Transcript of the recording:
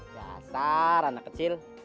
dasar anak kecil